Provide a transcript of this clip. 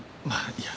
いや。